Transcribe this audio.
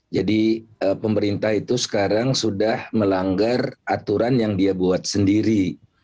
jadi pemerintah itu sekarang sudah melanggar aturan yang dia buat sendiri